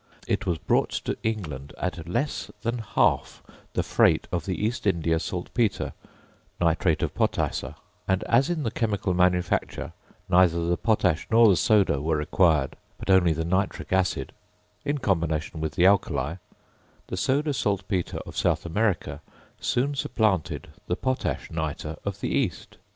It was brought to England at less than half the freight of the East India saltpetre (nitrate of potassa); and as, in the chemical manufacture neither the potash nor the soda were required, but only the nitric acid, in combination with the alkali, the soda saltpetre of South America soon supplanted the potash nitre of the East.